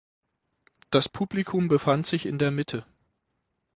Das Publikum befand sich in der Mitte.